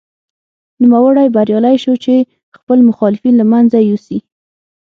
نوموړی بریالی شو چې خپل مخالفین له منځه یوسي.